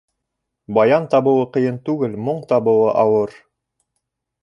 Баян табыуы ҡыйын түгел, моң табыуы ауыр.